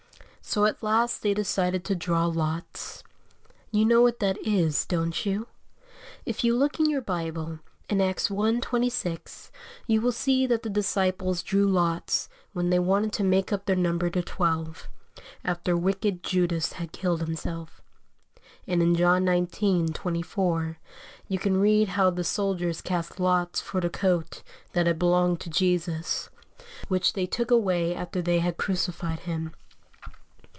So at last they decided to draw lots. You know what that is, don't you? If you look in your Bible, in Acts i. 26, you will see that the disciples drew lots when they wanted to make up their number to twelve, after wicked Judas had killed himself. And in John xix. 24, you can read how the soldiers cast lots for the coat that had belonged to Jesus, which they took away after they had crucified Him.